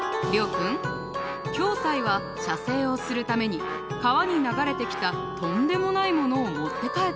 君暁斎は写生をするために川に流れてきたとんでもないものを持って帰ったの。